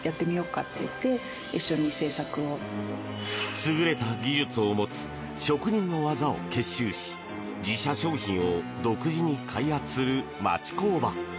優れた技術を持つ職人の技を結集し自社商品を独自に開発する町工場。